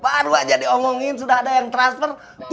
baru aja diomongin sudah ada yang transfer